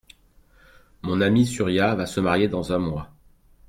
Mon amie Surya va se marier dans un mois.